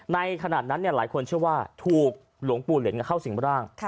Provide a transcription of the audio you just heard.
ขณะนั้นหลายคนเชื่อว่าถูกหลวงปู่เหล็นเข้าสิ่งร่าง